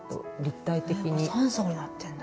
３層になってんだ。